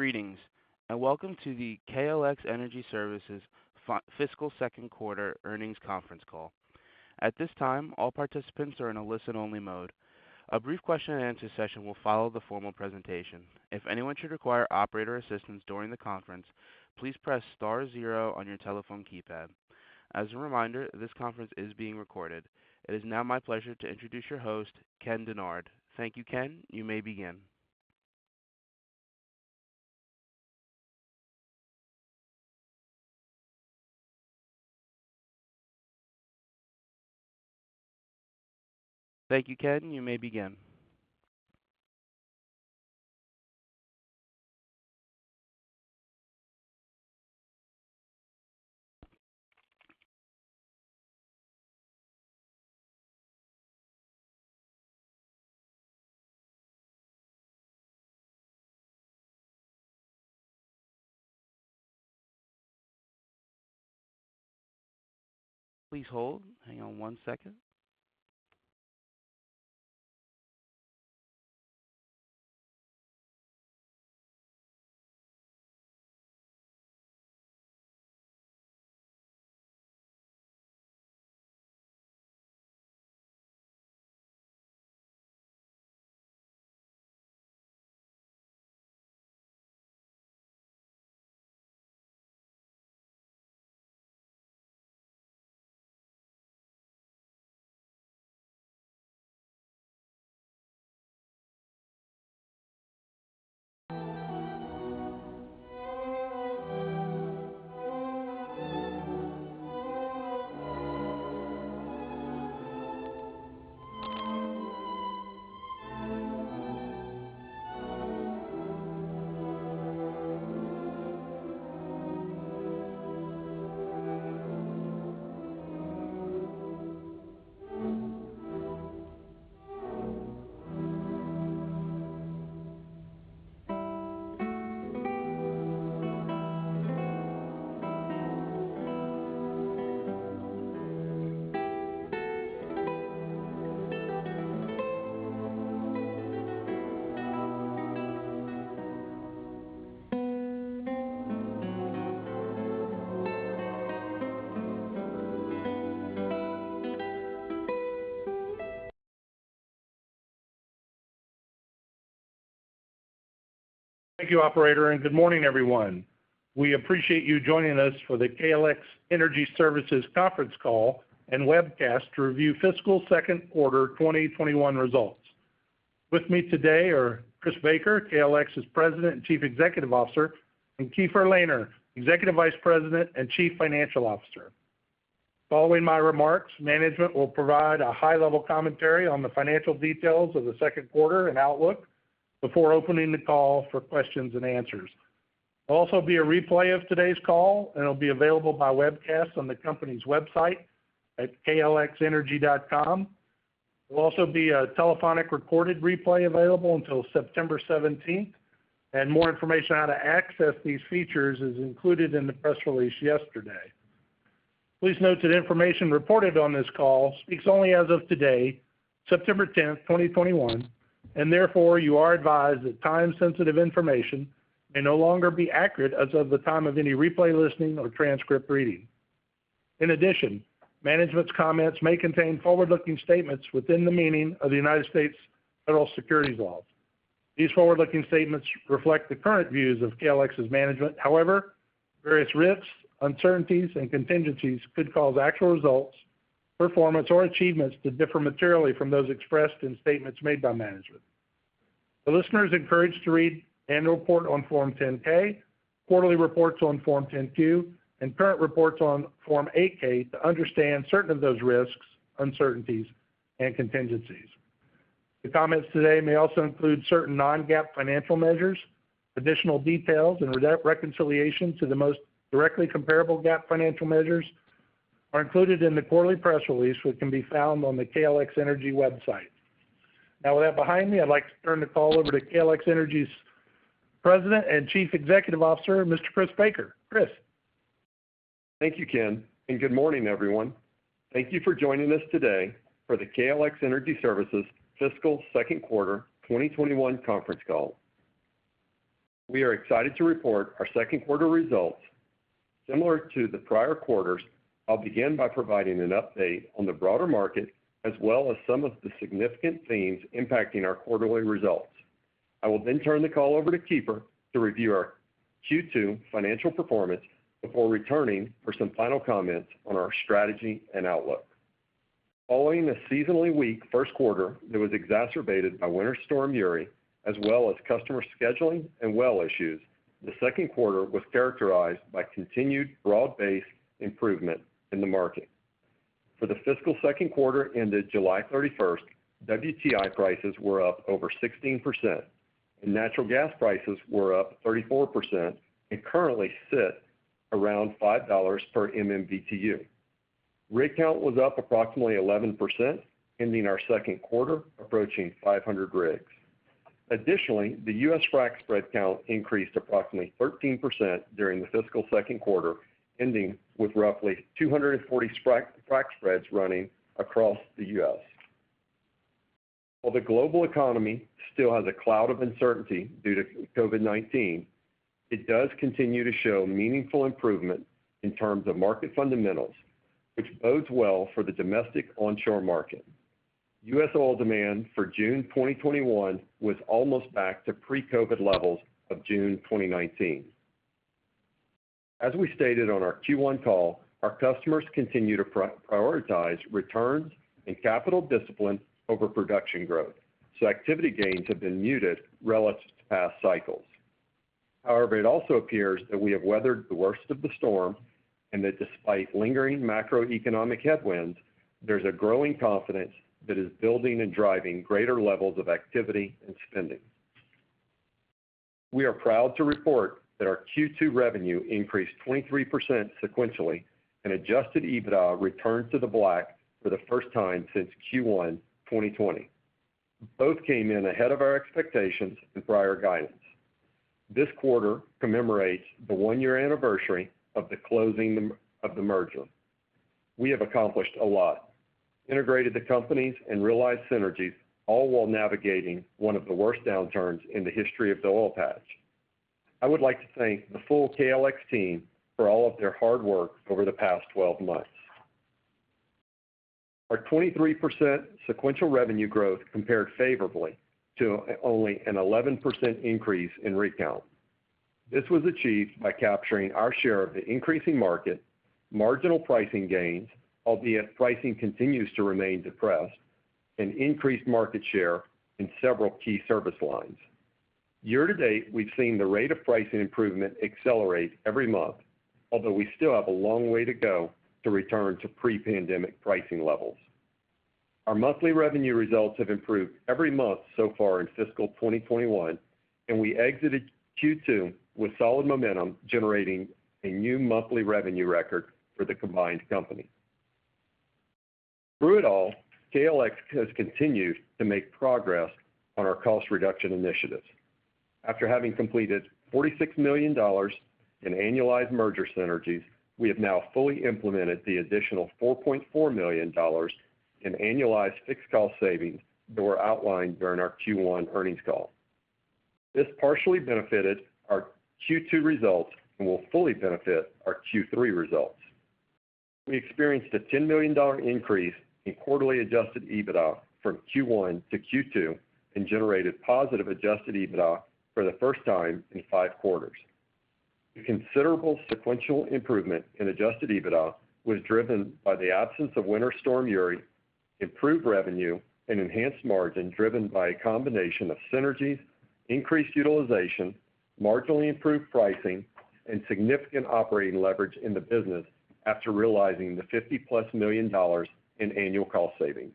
Greetings, and welcome to the KLX Energy Services fiscal second quarter earnings conference call. At this time, all participants are in a listen-only mode. A brief question-and-answer session will follow the formal presentation. If anyone should require operator assistance during the conference, please press star zero on your telephone keypad. As a reminder, this conference is being recorded. It is now my pleasure to introduce your host, Ken Dennard. Thank you, Ken. You may begin. Please hold. Hang on one second. Thank you, operator, and good morning, everyone. We appreciate you joining us for the KLX Energy Services conference call and webcast to review fiscal second quarter 2021 results. With me today are Chris Baker, KLX's President and Chief Executive Officer, and Keefer Lehner, Executive Vice President and Chief Financial Officer. Following my remarks, management will provide a high-level commentary on the financial details of the second quarter and outlook before opening the call for questions and answers. There will also be a replay of today's call, and it'll be available by webcast on the company's website at klxenergy.com. There will also be a telephonic recorded replay available until September 17th, and more information on how to access these features is included in the press release yesterday. Please note that information reported on this call speaks only as of today, September 10th, 2021, and therefore, you are advised that time-sensitive information may no longer be accurate as of the time of any replay listening or transcript reading. In addition, management's comments may contain forward-looking statements within the meaning of the U.S. federal securities laws. These forward-looking statements reflect the current views of KLX's management. However, various risks, uncertainties, and contingencies could cause actual results, performance, or achievements to differ materially from those expressed in statements made by management. The listener is encouraged to read annual report on Form 10-K, quarterly reports on Form 10-Q, and current reports on Form 8-K to understand certain of those risks, uncertainties, and contingencies. The comments today may also include certain non-GAAP financial measures. Additional details and reconciliation to the most directly comparable GAAP financial measures are included in the quarterly press release, which can be found on the KLX Energy Services website. Now, with that behind me, I'd like to turn the call over to KLX Energy Services' President and Chief Executive Officer, Mr. Chris Baker. Chris? Thank you, Ken, and good morning, everyone. Thank you for joining us today for the KLX Energy Services fiscal second quarter 2021 conference call. We are excited to report our second quarter results. Similar to the prior quarters, I'll begin by providing an update on the broader market as well as some of the significant themes impacting our quarterly results. I will then turn the call over to Keefer to review our Q2 financial performance before returning for some final comments on our strategy and outlook. Following a seasonally weak first quarter that was exacerbated by Winter Storm Uri, as well as customer scheduling and well issues, the second quarter was characterized by continued broad-based improvement in the market. For the fiscal second quarter ended July 31st, WTI prices were up over 16%, and natural gas prices were up 34% and currently sit around $5 per MMBtu. Rig count was up approximately 11% ending our second quarter approaching 500 rigs. The U.S. frac spread count increased approximately 13% during the fiscal second quarter, ending with roughly 240 frac spreads running across the U.S. The global economy still has a cloud of uncertainty due to COVID-19, it does continue to show meaningful improvement in terms of market fundamentals, which bodes well for the domestic onshore market. U.S. oil demand for June 2021 was almost back to pre-COVID levels of June 2019. As we stated on our Q1 call, our customers continue to prioritize returns and capital discipline over production growth. Activity gains have been muted relative to past cycles. It also appears that we have weathered the worst of the storm and that despite lingering macroeconomic headwinds, there's a growing confidence that is building and driving greater levels of activity and spending. We are proud to report that our Q2 revenue increased 23% sequentially, and adjusted EBITDA returned to the black for the first time since Q1 2020. Both came in ahead of our expectations and prior guidance. This quarter commemorates the one-year anniversary of the closing of the merger. We have accomplished a lot, integrated the companies, and realized synergies, all while navigating one of the worst downturns in the history of the oil patch. I would like to thank the full KLX team for all of their hard work over the past 12 months. Our 23% sequential revenue growth compared favorably to only an 11% increase in rig count. This was achieved by capturing our share of the increasing market, marginal pricing gains, albeit pricing continues to remain depressed, and increased market share in several key service lines. Year to date, we've seen the rate of pricing improvement accelerate every month, although we still have a long way to go to return to pre-pandemic pricing levels. Our monthly revenue results have improved every month so far in fiscal 2021, and we exited Q2 with solid momentum, generating a new monthly revenue record for the combined company. Through it all, KLX has continued to make progress on our cost reduction initiatives. After having completed $46 million in annualized merger synergies, we have now fully implemented the additional $4.4 million in annualized fixed cost savings that were outlined during our Q1 earnings call. This partially benefited our Q2 results and will fully benefit our Q3 results. We experienced a $10 million increase in quarterly adjusted EBITDA from Q1 to Q2 and generated positive adjusted EBITDA for the first time in five quarters. The considerable sequential improvement in adjusted EBITDA was driven by the absence of Winter Storm Uri, improved revenue, and enhanced margin driven by a combination of synergies, increased utilization, marginally improved pricing, and significant operating leverage in the business after realizing the $50-plus million in annual cost savings.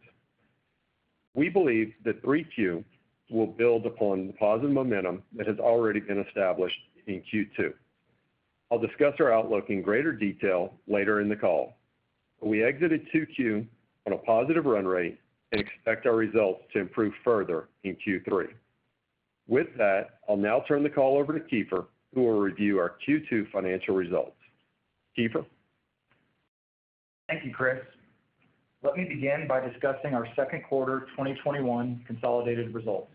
We believe that 3Q will build upon the positive momentum that has already been established in Q2. I'll discuss our outlook in greater detail later in the call. We exited 2Q on a positive run rate and expect our results to improve further in Q3. With that, I'll now turn the call over to Keefer, who will review our Q2 financial results. Keefer? Thank you, Chris. Let me begin by discussing our second quarter 2021 consolidated results.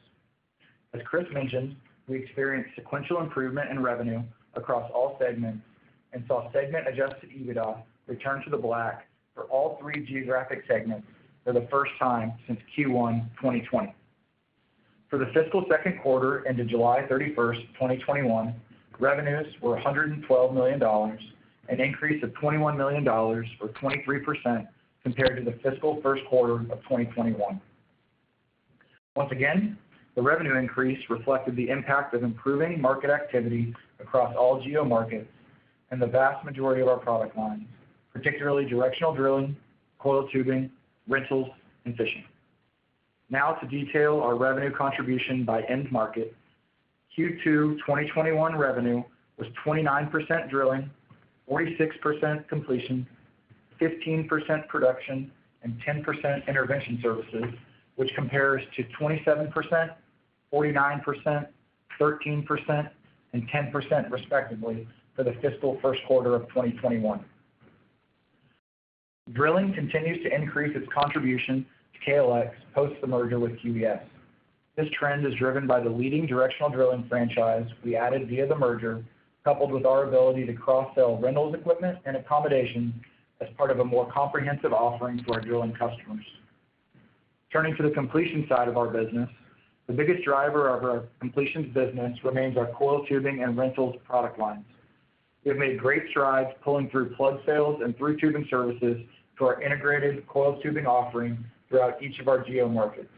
As Chris mentioned, we experienced sequential improvement in revenue across all segments and saw segment adjusted EBITDA return to the black for all three geographic segments for the first time since Q1 2020. For the fiscal second quarter into July 31st, 2021, revenues were $112 million, an increase of $21 million or 23% compared to the fiscal first quarter of 2021. Once again, the revenue increase reflected the impact of improving market activity across all geomarkets and the vast majority of our product lines, particularly directional drilling, coiled tubing, rentals, and fishing. To detail our revenue contribution by end market. Q2 2021 revenue was 29% drilling, 46% completion, 15% production, and 10% intervention services, which compares to 27%, 49%, 13%, and 10%, respectively, for the fiscal first quarter of 2021. Drilling continues to increase its contribution to KLX post the merger with QES. This trend is driven by the leading directional drilling franchise we added via the merger, coupled with our ability to cross-sell rentals equipment and accommodation as part of a more comprehensive offering to our drilling customers. Turning to the completion side of our business, the biggest driver of our completions business remains our coiled tubing and rentals product lines. We have made great strides pulling through plug sales and through tubing services to our integrated coiled tubing offering throughout each of our geo-markets.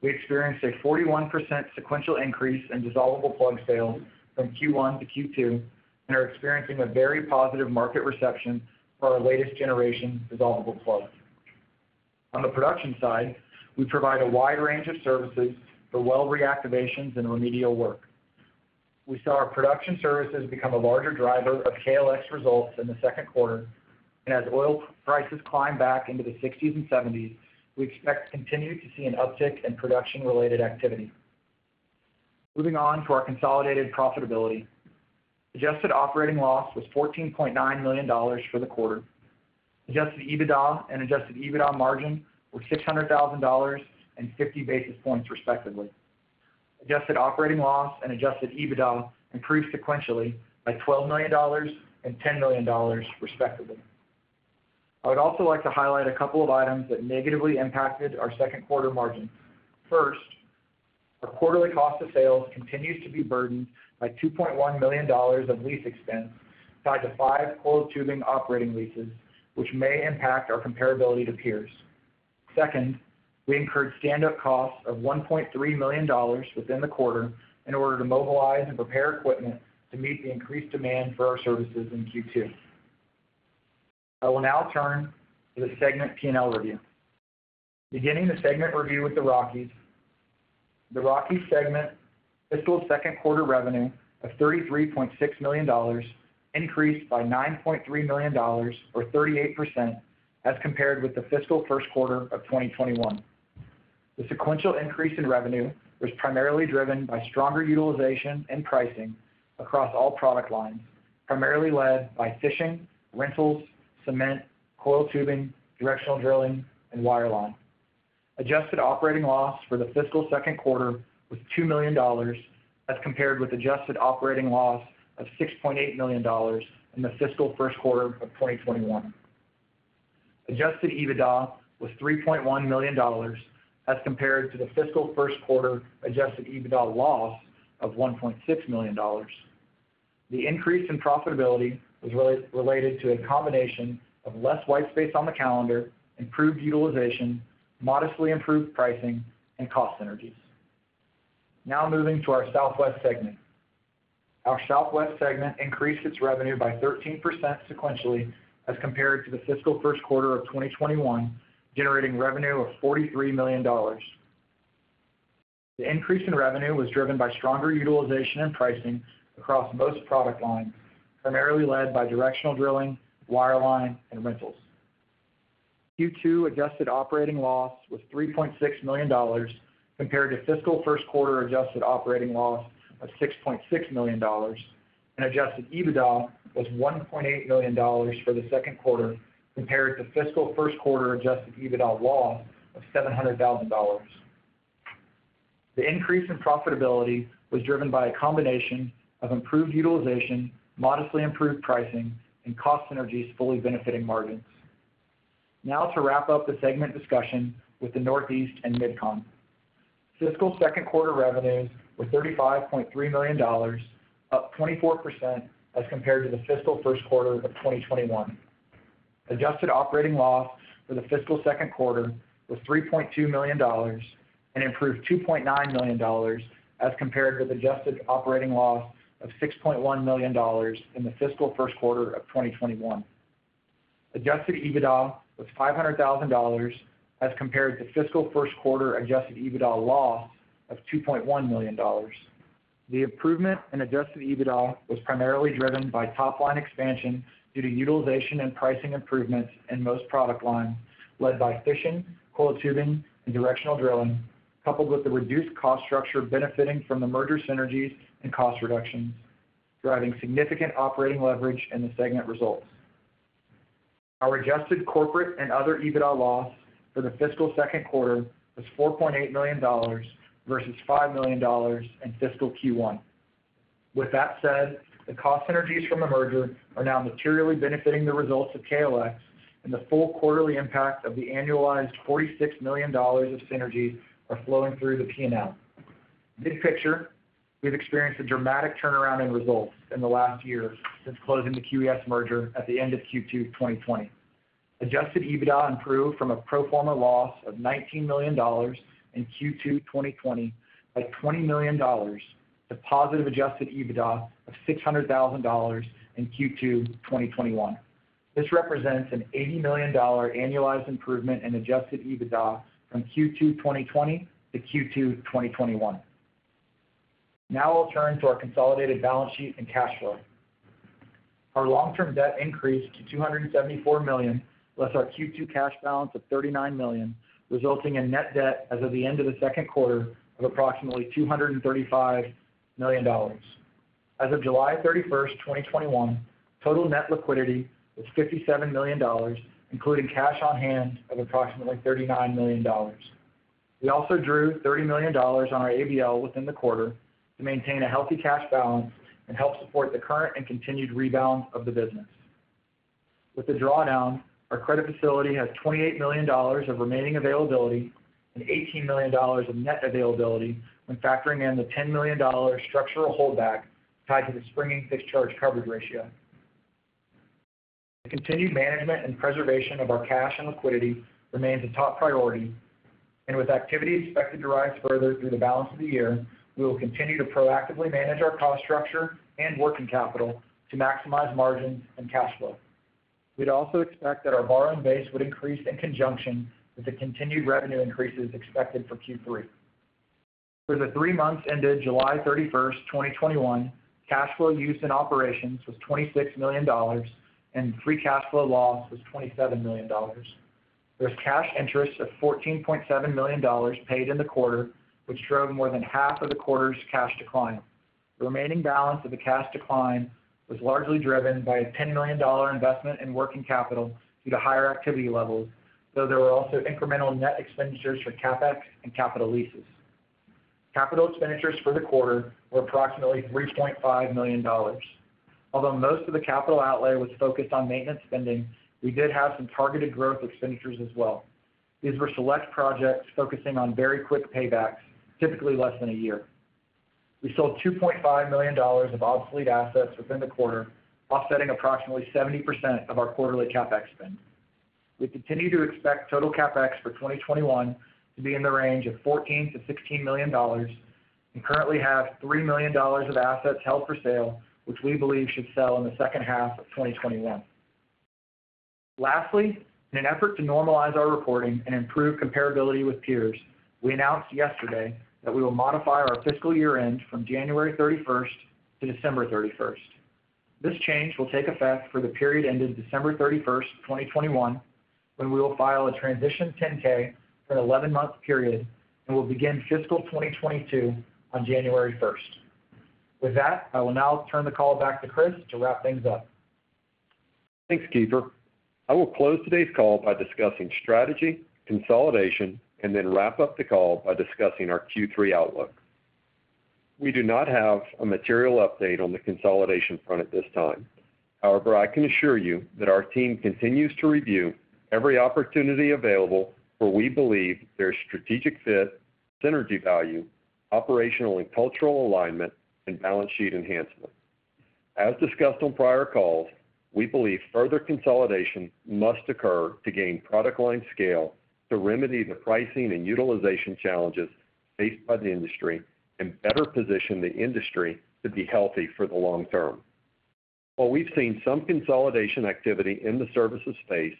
We experienced a 41% sequential increase in dissolvable plug sales from Q1 to Q2 and are experiencing a very positive market reception for our latest generation dissolvable plug. On the production side, we provide a wide range of services for well reactivations and remedial work. We saw our production services become a larger driver of KLX results in the second quarter, and as oil prices climb back into the 60s and 70s, we expect to continue to see an uptick in production-related activity. Adjusted operating loss was $14.9 million for the quarter. Adjusted EBITDA and adjusted EBITDA margin were $600,000 and 50 basis points respectively. Adjusted operating loss and adjusted EBITDA improved sequentially by $12 million and $10 million respectively. I would also like to highlight a couple of items that negatively impacted our second quarter margin. First, our quarterly cost of sales continues to be burdened by $2.1 million of lease expense tied to five coiled tubing operating leases, which may impact our comparability to peers. Second, we incurred stand-up costs of $1.3 million within the quarter in order to mobilize and prepare equipment to meet the increased demand for our services in Q2. I will now turn to the segment P&L review. Beginning the segment review with the Rockies. The Rockies segment fiscal second quarter revenue of $33.6 million increased by $9.3 million or 38% as compared with the fiscal first quarter of 2021. The sequential increase in revenue was primarily driven by stronger utilization and pricing across all product lines, primarily led by fishing, rentals, cement, coiled tubing, directional drilling, and wireline. Adjusted operating loss for the fiscal second quarter was $2 million as compared with adjusted operating loss of $6.8 million in the fiscal first quarter of 2021. Adjusted EBITDA was $3.1 million as compared to the fiscal first quarter adjusted EBITDA loss of $1.6 million. The increase in profitability was related to a combination of less white space on the calendar, improved utilization, modestly improved pricing, and cost synergies. Now moving to our Southwest segment. Our Southwest segment increased its revenue by 13% sequentially as compared to the fiscal first quarter of 2021, generating revenue of $43 million. The increase in revenue was driven by stronger utilization and pricing across most product lines, primarily led by directional drilling, wireline, and rentals. Q2 adjusted operating loss was $3.6 million compared to fiscal first quarter adjusted operating loss of $6.6 million, and adjusted EBITDA was $1.8 million for the second quarter compared to fiscal first quarter adjusted EBITDA loss of $700,000. The increase in profitability was driven by a combination of improved utilization, modestly improved pricing, and cost synergies fully benefiting margins. Now to wrap up the segment discussion with the Northeast and Mid-Con. Fiscal second quarter revenues were $35.3 million, up 24% as compared to the fiscal first quarter of 2021. Adjusted operating loss for the fiscal second quarter was $3.2 million, an improvement of $2.9 million as compared with adjusted operating loss of $6.1 million in the fiscal first quarter of 2021. Adjusted EBITDA was $500,000 as compared to fiscal first quarter adjusted EBITDA loss of $2.1 million. The improvement in adjusted EBITDA was primarily driven by top-line expansion due to utilization and pricing improvements in most product lines, led by fishing, coiled tubing, and directional drilling, coupled with the reduced cost structure benefiting from the merger synergies and cost reductions, driving significant operating leverage in the segment results. Our adjusted corporate and other EBITDA loss for the fiscal second quarter was $4.8 million versus $5 million in fiscal Q1. With that said, the cost synergies from the merger are now materially benefiting the results of KLX, and the full quarterly impact of the annualized $46 million of synergies are flowing through the P&L. Big picture, we've experienced a dramatic turnaround in results in the last year since closing the QES merger at the end of Q2 2020. Adjusted EBITDA improved from a pro forma loss of $19 million in Q2 2020 by $20 million to positive adjusted EBITDA of $600,000 in Q2 2021. This represents an $80 million annualized improvement in adjusted EBITDA from Q2 2020 to Q2 2021. Now I'll turn to our consolidated balance sheet and cash flow. Our long-term debt increased to $274 million, less our Q2 cash balance of $39 million, resulting in net debt as of the end of the second quarter of approximately $235 million. As of July 31st, 2021, total net liquidity was $57 million, including cash on hand of approximately $39 million. We also drew $30 million on our ABL within the quarter to maintain a healthy cash balance and help support the current and continued rebound of the business. With the drawdown, our credit facility has $28 million of remaining availability and $18 million of net availability when factoring in the $10 million structural holdback tied to the springing fixed charge coverage ratio. The continued management and preservation of our cash and liquidity remains a top priority, and with activity expected to rise further through the balance of the year, we will continue to proactively manage our cost structure and working capital to maximize margins and cash flow. We would also expect that our borrowing base would increase in conjunction with the continued revenue increases expected for Q3. For the three months ended July 31st, 2021, cash flow use in operations was $26 million, and free cash flow loss was $27 million. There's cash interest of $14.7 million paid in the quarter, which drove more than half of the quarter's cash decline. The remaining balance of the cash decline was largely driven by a $10 million investment in working capital due to higher activity levels, though there were also incremental net expenditures for CapEx and capital leases. Capital expenditures for the quarter were approximately $3.5 million. Although most of the capital outlay was focused on maintenance spending, we did have some targeted growth expenditures as well. These were select projects focusing on very quick paybacks, typically less than a year. We sold $2.5 million of obsolete assets within the quarter, offsetting approximately 70% of our quarterly CapEx spend. We continue to expect total CapEx for 2021 to be in the range of $14 million-$16 million, and currently have $3 million of assets held for sale, which we believe should sell in the second half of 2021. Lastly, in an effort to normalize our reporting and improve comparability with peers, we announced yesterday that we will modify our fiscal year-end from January 31st to December 31st. This change will take effect for the period ending December 31st, 2021, when we will file a transition 10-K for an 11-month period and will begin fiscal 2022 on January 1st. With that, I will now turn the call back to Chris to wrap things up. Thanks, Keefer. I will close today's call by discussing strategy, consolidation, and then wrap up the call by discussing our Q3 outlook. We do not have a material update on the consolidation front at this time. I can assure you that our team continues to review every opportunity available where we believe there's strategic fit, synergy value, operational and cultural alignment, and balance sheet enhancement. As discussed on prior calls, we believe further consolidation must occur to gain product line scale to remedy the pricing and utilization challenges faced by the industry and better position the industry to be healthy for the long term. While we've seen some consolidation activity in the services space,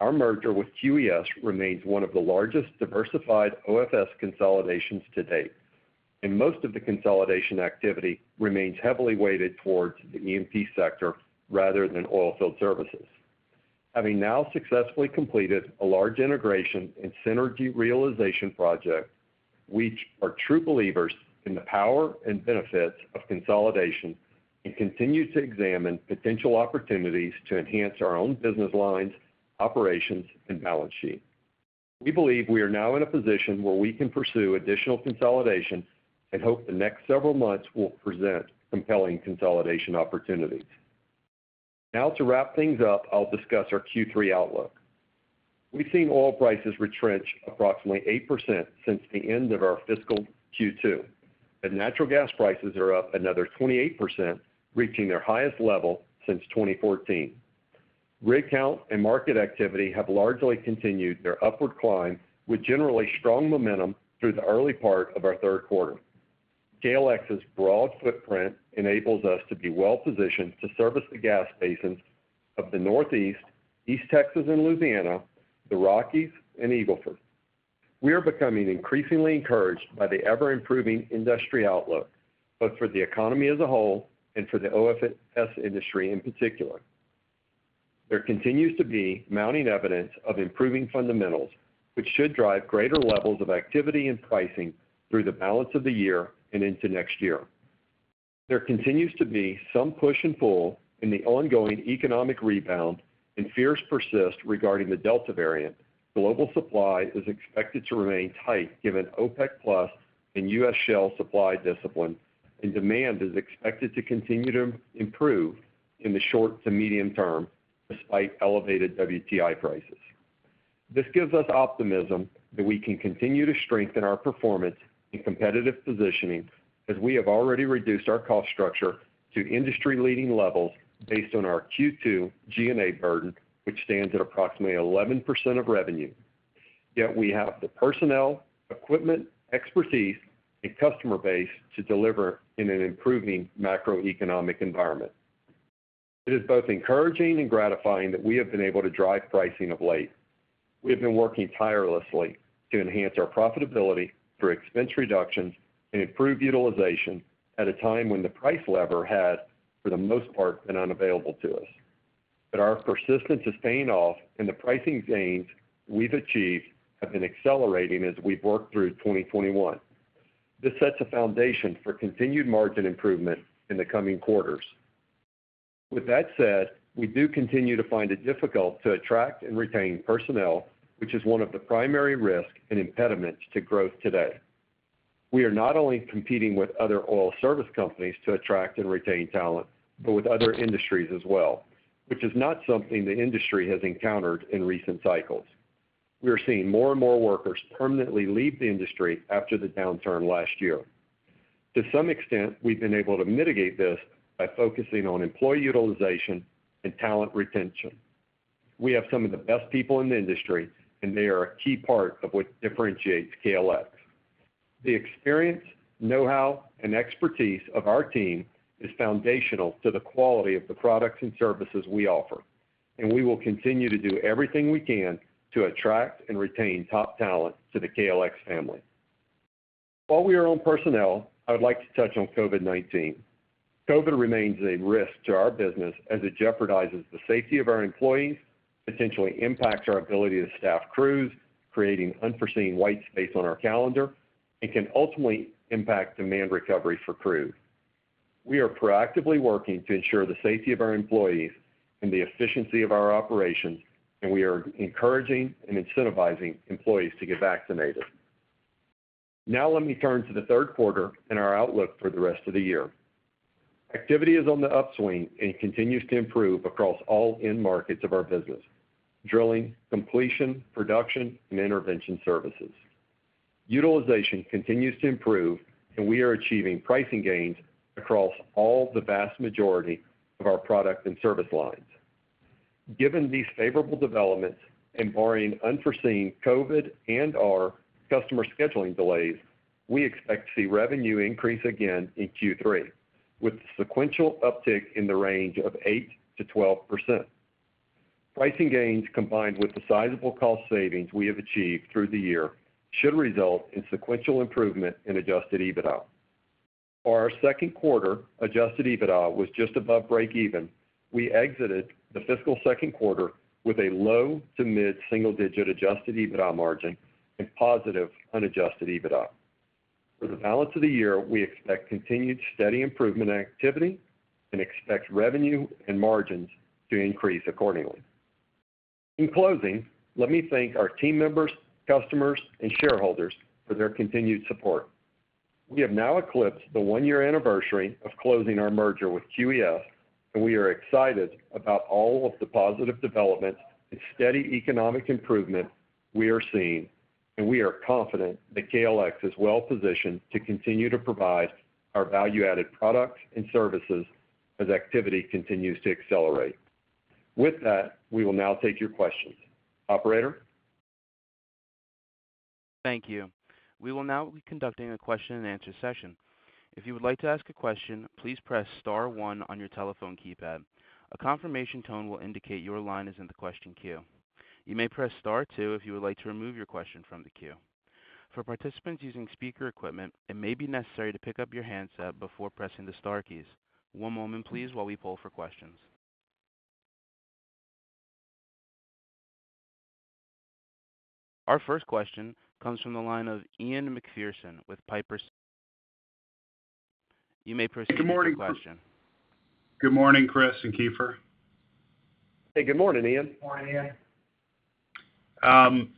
our merger with QES remains one of the largest diversified OFS consolidations to date, most of the consolidation activity remains heavily weighted towards the E&P sector rather than oilfield services. Having now successfully completed a large integration and synergy realization project, we are true believers in the power and benefits of consolidation and continue to examine potential opportunities to enhance our own business lines, operations, and balance sheet. We believe we are now in a position where we can pursue additional consolidation and hope the next several months will present compelling consolidation opportunities. To wrap things up, I'll discuss our Q3 outlook. We've seen oil prices retrench approximately 8% since the end of our fiscal Q2, and natural gas prices are up another 28%, reaching their highest level since 2014. Rig count and market activity have largely continued their upward climb, with generally strong momentum through the early part of our third quarter. KLX's broad footprint enables us to be well-positioned to service the gas basins of the Northeast, East Texas and Louisiana, the Rockies, and Eagle Ford. We are becoming increasingly encouraged by the ever-improving industry outlook, both for the economy as a whole and for the OFS industry in particular. There continues to be mounting evidence of improving fundamentals, which should drive greater levels of activity and pricing through the balance of the year and into next year. There continues to be some push and pull in the ongoing economic rebound and fears persist regarding the Delta variant. Global supply is expected to remain tight given OPEC+ and U.S. shale supply discipline. Demand is expected to continue to improve in the short to medium term despite elevated WTI prices. This gives us optimism that we can continue to strengthen our performance and competitive positioning as we have already reduced our cost structure to industry-leading levels based on our Q2 G&A burden, which stands at approximately 11% of revenue. We have the personnel, equipment, expertise, and customer base to deliver in an improving macroeconomic environment. It is both encouraging and gratifying that we have been able to drive pricing of late. We have been working tirelessly to enhance our profitability through expense reductions and improved utilization at a time when the price lever has, for the most part, been unavailable to us. Our persistence is paying off, and the pricing gains we've achieved have been accelerating as we've worked through 2021. This sets a foundation for continued margin improvement in the coming quarters. With that said, we do continue to find it difficult to attract and retain personnel, which is one of the primary risks and impediments to growth today. We are not only competing with other oil service companies to attract and retain talent, but with other industries as well, which is not something the industry has encountered in recent cycles. We are seeing more and more workers permanently leave the industry after the downturn last year. To some extent, we've been able to mitigate this by focusing on employee utilization and talent retention. We have some of the best people in the industry, and they are a key part of what differentiates KLX. The experience, know-how, and expertise of our team is foundational to the quality of the products and services we offer, and we will continue to do everything we can to attract and retain top talent to the KLX family. While we are on personnel, I would like to touch on COVID-19. COVID-19 remains a risk to our business as it jeopardizes the safety of our employees, potentially impacts our ability to staff crews, creating unforeseen white space on our calendar, and can ultimately impact demand recovery for crews. We are proactively working to ensure the safety of our employees and the efficiency of our operations, and we are encouraging and incentivizing employees to get vaccinated. Let me turn to the third quarter and our outlook for the rest of the year. Activity is on the upswing and continues to improve across all end markets of our business: drilling, completion, production, and intervention services. Utilization continues to improve, and we are achieving pricing gains across the vast majority of our product and service lines. Given these favorable developments and barring unforeseen COVID and/or customer scheduling delays, we expect to see revenue increase again in Q3, with sequential uptick in the range of 8% to 12%. Pricing gains, combined with the sizable cost savings we have achieved through the year, should result in sequential improvement in adjusted EBITDA. For our second quarter, adjusted EBITDA was just above break even. We exited the fiscal second quarter with a low to mid-single digit adjusted EBITDA margin and positive unadjusted EBITDA. For the balance of the year, we expect continued steady improvement activity and expect revenue and margins to increase accordingly. In closing, let me thank our team members, customers, and shareholders for their continued support. We have now eclipsed the 1-year anniversary of closing our merger with QES, and we are excited about all of the positive developments and steady economic improvement we are seeing, and we are confident that KLX is well-positioned to continue to provide our value-added products and services as activity continues to accelerate. With that, we will now take your questions. Operator? Thank you. We will now be conducting a question-and answer session. One moment, please, while we poll for questions. Our first question comes from the line of Ian Macpherson with Piper Sandler. You may proceed with your question. Good morning, Chris and Keefer. Hey, good morning, Ian. Morning, Ian.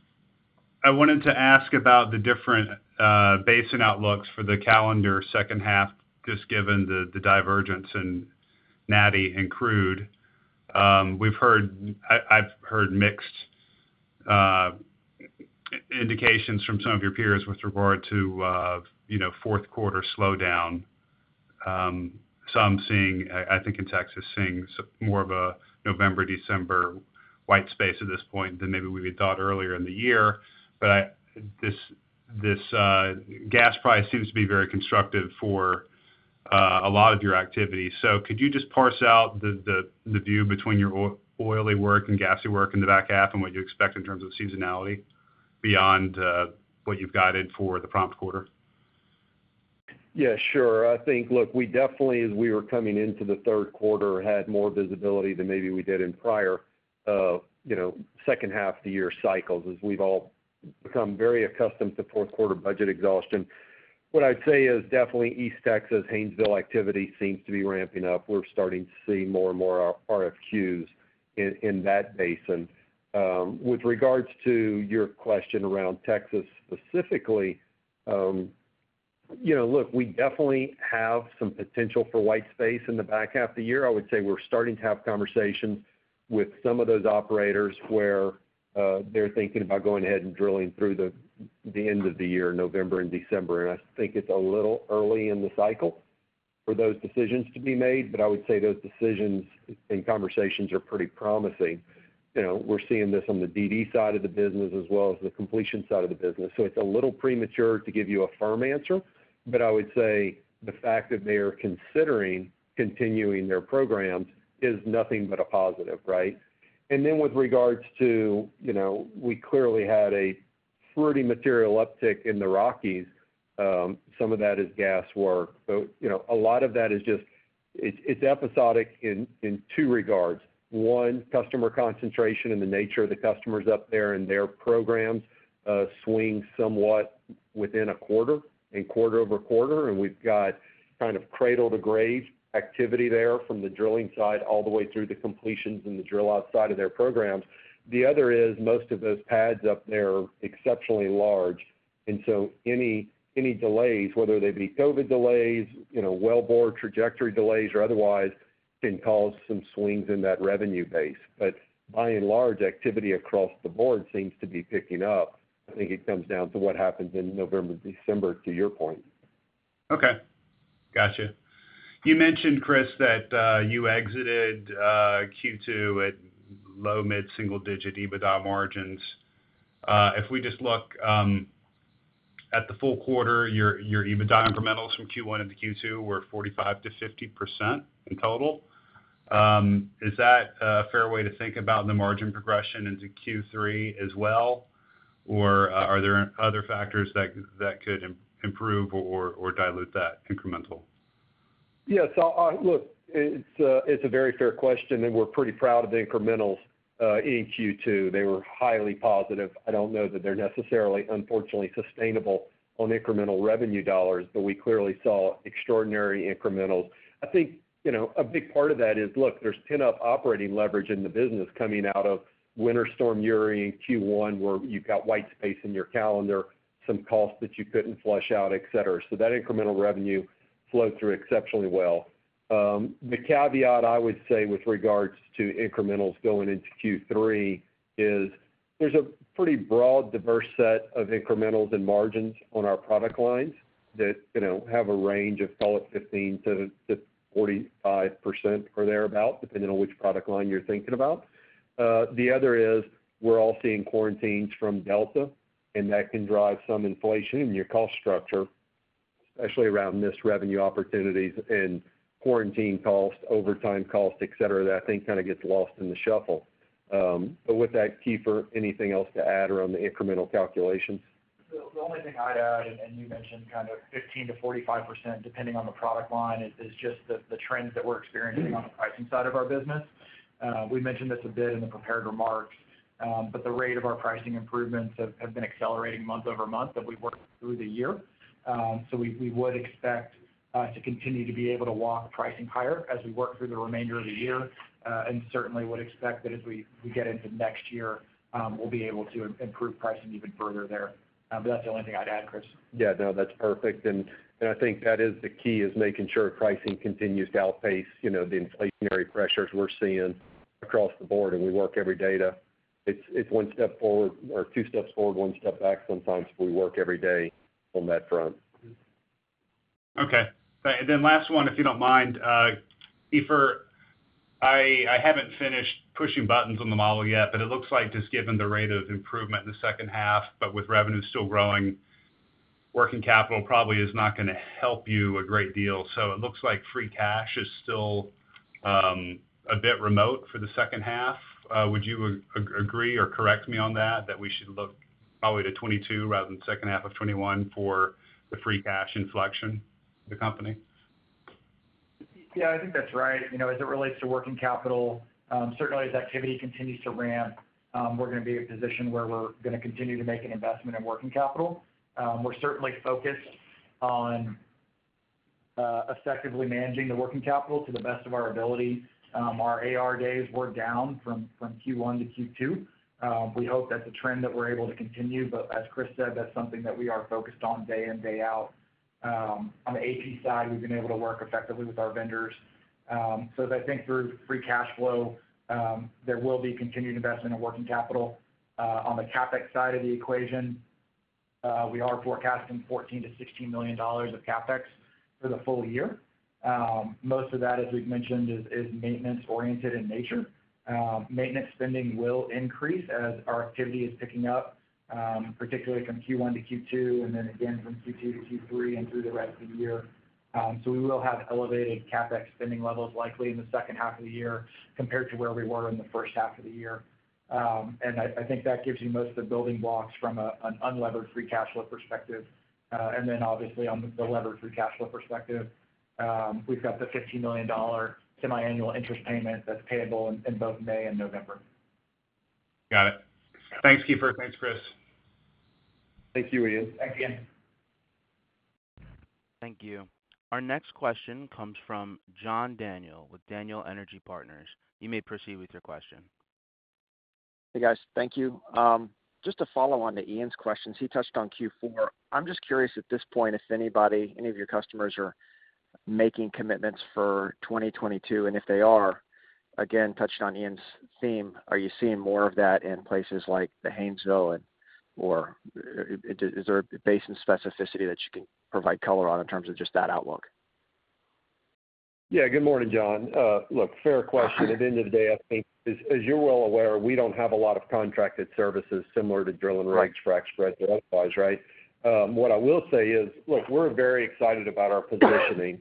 I wanted to ask about the different basin outlooks for the calendar second half, just given the divergence in natty and crude. I've heard mixed indications from some of your peers with regard to fourth quarter slowdown. Some I think in Texas, seeing more of a November, December white space at this point than maybe we had thought earlier in the year. This gas price seems to be very constructive for a lot of your activity. Could you just parse out the view between your oily work and gassy work in the back half and what you expect in terms of seasonality beyond what you've guided for the prompt quarter? Yeah, sure. I think, look, we definitely, as we were coming into the third quarter, had more visibility than maybe we did in prior second half of the year cycles, as we've all become very accustomed to fourth quarter budget exhaustion. What I'd say is definitely East Texas, Haynesville activity seems to be ramping up. We're starting to see more and more RFQs in that basin. With regards to your question around Texas specifically, look, we definitely have some potential for white space in the back half of the year. I would say we're starting to have conversations with some of those operators where they're thinking about going ahead and drilling through the end of the year, November and December. I think it's a little early in the cycle for those decisions to be made. I would say those decisions and conversations are pretty promising. We're seeing this on the DD side of the business as well as the completion side of the business. It's a little premature to give you a firm answer, but I would say the fact that they are considering continuing their programs is nothing but a positive, right? With regards to, we clearly had a pretty material uptick in the Rockies. Some of that is gas work. A lot of that is just, it's episodic in two regards. One, customer concentration and the nature of the customers up there and their programs swing somewhat within a quarter, in quarter-over-quarter. We've got kind of cradle-to-grave activity there from the drilling side all the way through the completions and the drill out side of their programs. The other is most of those pads up there are exceptionally large, and so any delays, whether they be COVID delays, wellbore trajectory delays, or otherwise, can cause some swings in that revenue base. By and large, activity across the board seems to be picking up. I think it comes down to what happens in November, December, to your point. Okay. Gotcha. You mentioned, Chris, that you exited Q2 at low mid-single-digit EBITDA margins. If we just look at the full quarter, your EBITDA incrementals from Q1 into Q2 were 45%-50% in total. Is that a fair way to think about the margin progression into Q3 as well? Or are there other factors that could improve or dilute that incremental? Yes. Look, it's a very fair question. We're pretty proud of the incrementals in Q2. They were highly positive. I don't know that they're necessarily, unfortunately, sustainable on incremental revenue dollars. We clearly saw extraordinary incrementals. I think, a big part of that is, look, there's pent-up operating leverage in the business coming out of Winter Storm Uri in Q1, where you've got white space in your calendar, some costs that you couldn't flush out, et cetera. That incremental revenue flowed through exceptionally well. The caveat I would say with regards to incrementals going into Q3 is there's a pretty broad, diverse set of incrementals and margins on our product lines that have a range of call it 15%-45% or thereabout, depending on which product line you're thinking about. The other is we're all seeing quarantines from Delta, and that can drive some inflation in your cost structure, especially around missed revenue opportunities and quarantine costs, overtime costs, et cetera, that I think kind of gets lost in the shuffle. With that, Keefer, anything else to add around the incremental calculations? The only thing I'd add, and you mentioned kind of 15%-45%, depending on the product line, is just the trends that we're experiencing on the pricing side of our business. We mentioned this a bit in the prepared remarks, the rate of our pricing improvements have been accelerating month-over-month as we've worked through the year. We would expect to continue to be able to walk pricing higher as we work through the remainder of the year. Certainly would expect that as we get into next year, we'll be able to improve pricing even further there. That's the only thing I'd add, Chris. Yeah. No, that's perfect. I think that is the key, is making sure pricing continues to outpace the inflationary pressures we're seeing across the board. It's one step forward or two steps forward, one step back sometimes, but we work every day on that front. Okay. Then last one, if you don't mind. Keefer, I haven't finished pushing buttons on the model yet, but it looks like just given the rate of improvement in the second half, but with revenue still growing, working capital probably is not going to help you a great deal. It looks like free cash is still a bit remote for the second half. Would you agree or correct me on that we should look probably to 2022 rather than second half of 2021 for the free cash inflection of the company? Yeah, I think that's right. As it relates to working capital, certainly as activity continues to ramp, we're going to be in a position where we're going to continue to make an investment in working capital. We're certainly focused on effectively managing the working capital to the best of our ability. Our AR days were down from Q1 to Q2. We hope that's a trend that we're able to continue, but as Chris said, that's something that we are focused on day in, day out. On the AP side, we've been able to work effectively with our vendors. As I think through free cash flow, there will be continued investment in working capital. On the CapEx side of the equation, we are forecasting $14 million-$16 million of CapEx for the full year. Most of that, as we've mentioned, is maintenance-oriented in nature. Maintenance spending will increase as our activity is picking up, particularly from Q1 to Q2, then again from Q2 to Q3, and through the rest of the year. We will have elevated CapEx spending levels likely in the second half of the year compared to where we were in the first half of the year. I think that gives you most of the building blocks from an unlevered free cash flow perspective. Then obviously on the levered free cash flow perspective, we've got the $15 million semiannual interest payment that's payable in both May and November. Got it. Thanks, Keefer. Thanks, Chris. Thank you, Ian. Thanks, Ian. Thank you. Our next question comes from John Daniel with Daniel Energy Partners. Hey, guys. Thank you. Just to follow on to Ian's questions, he touched on Q4. I'm just curious at this point if anybody, any of your customers are making commitments for 2022, and if they are, again, touching on Ian's theme, are you seeing more of that in places like the Haynesville? Or is there a basin specificity that you can provide color on in terms of just that outlook? Yeah. Good morning, John. Look, fair question. At the end of the day, I think as you're well aware, we don't have a lot of contracted services similar to drilling rigs- Right frac spreads or otherwise, right? What I will say is, look, we're very excited about our positioning.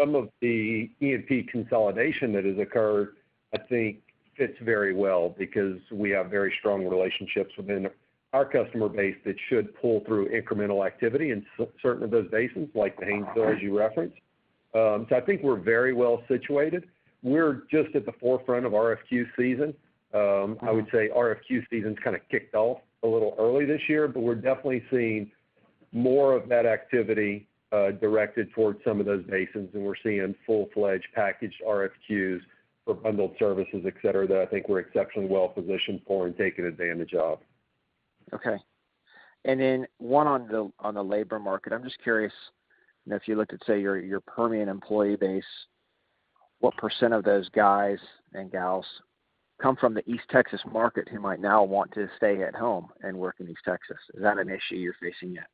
Some of the E&P consolidation that has occurred I think fits very well because we have very strong relationships within our customer base that should pull through incremental activity in certain of those basins, like the Haynesville, as you referenced. I think we're very well situated. We're just at the forefront of RFQ season. I would say RFQ season's kind of kicked off a little early this year, but we're definitely seeing more of that activity directed towards some of those basins, and we're seeing full-fledged packaged RFQs for bundled services, et cetera, that I think we're exceptionally well positioned for and taking advantage of. Okay. One on the labor market. I'm just curious, if you looked at, say, your Permian employee base, what % of those guys and gals come from the East Texas market who might now want to stay at home and work in East Texas? Is that an issue you're facing yet?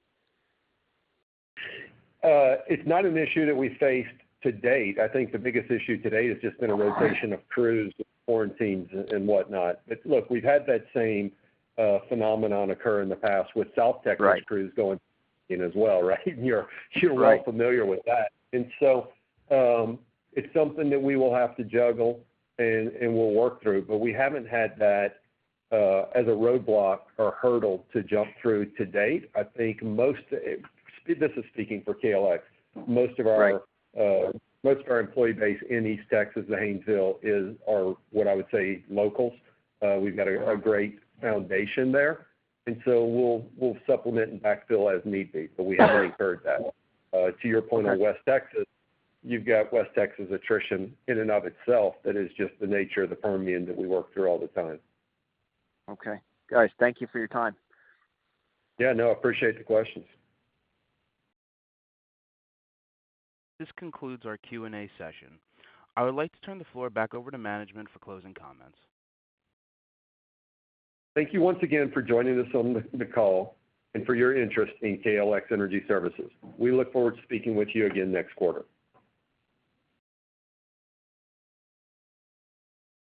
It's not an issue that we face to date. I think the biggest issue to date has just been a rotation of crews with quarantines and whatnot. Look, we've had that same phenomenon occur in the past with South Texas. Right crews going in as well, right? Right Well familiar with that. It's something that we will have to juggle and we'll work through, but we haven't had that as a roadblock or hurdle to jump through to date. I think most, this is speaking for KLX. Right. Most of our employee base in East Texas, the Haynesville, are what I would say locals. We've got a great foundation there. We'll supplement and backfill as need be, but we haven't heard that. To your point on West Texas, you've got West Texas attrition in and of itself that is just the nature of the Permian that we work through all the time. Okay. Guys, thank you for your time. Yeah, no, appreciate the questions. This concludes our Q&A session. I would like to turn the floor back over to management for closing comments. Thank you once again for joining us on the call and for your interest in KLX Energy Services. We look forward to speaking with you again next quarter.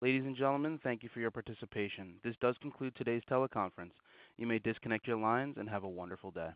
Ladies and gentlemen, thank you for your participation. This does conclude today's teleconference. You may disconnect your lines and have a wonderful day.